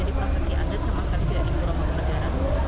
jadi prosesi adat sama sekali tidak diperhatikan di pura mangkunegaran